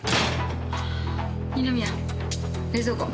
二宮冷蔵庫。